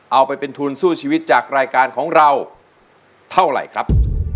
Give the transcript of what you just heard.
เอาไปเป็นทุนสู้ชีวิตจากรายการของเราเท่าไหร่ครับ